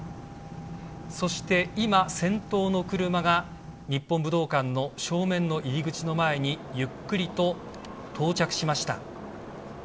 そして今、先頭の車が日本武道館の正面の入り口の前にゆっくりと到着しました。